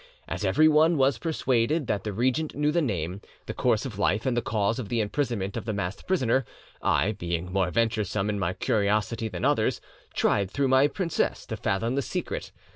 As everyone was persuaded that the regent knew the name, the course of life, and the cause of the imprisonment of the masked prisoner, I, being more venturesome in my curiosity than others, tried through my princess to fathom the secret.